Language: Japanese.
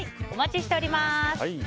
お待ちしております。